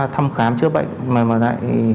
thăm khám chữa bệnh mà lại